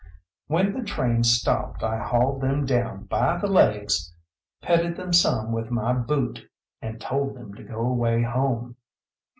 When the train stopped I hauled them down by the legs, petted them some with my boot, and told them to go away home.